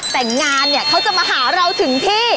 แต่งานเนี่ยเขาจะมาหาเราถึงที่